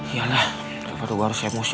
yalah kenapa tuh gue harus emosi